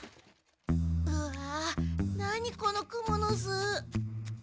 うわなにこのクモのす！